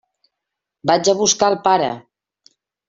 Vaig a buscar el pare.